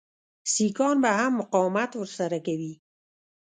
سیکهان به هم مقاومت ورسره کوي.